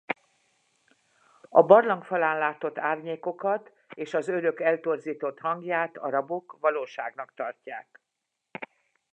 A barlang falán látott árnyékokat és az őrök eltorzított hangját a rabok valóságnak tartják.